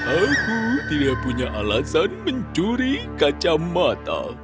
aku tidak punya alasan mencuri kacamata